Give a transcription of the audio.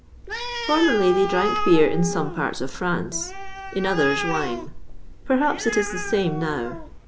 Formerly, they drank beer in some parts of France in others, wine. Perhaps it is the same now.